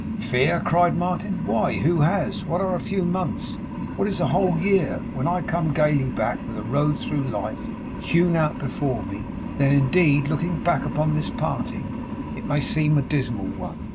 'Fear!' cried Martin. 'Why, who has? What are a few months? What is a whole year? When I come gayly back, with a road through life hewn out before me, then indeed, looking back upon this parting, it may seem a dismal one.